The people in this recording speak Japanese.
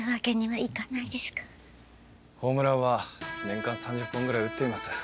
ホームランは年間３０本ぐらい打っています。